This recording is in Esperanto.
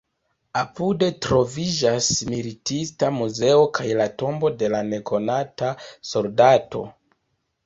Apude troviĝas militista muzeo kaj la Tombo de la Nekonata Soldato.